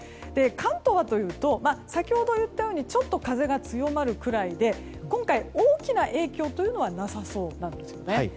関東はというと先ほど言ったようにちょっと風が強まるくらいで今回、大きな影響というのはなさそうなんですよね。